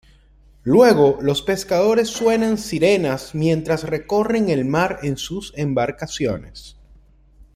Luego los pescadores suenan sirenas mientras recorren el mar en sus embarcaciones.